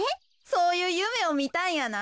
そういうゆめをみたんやな。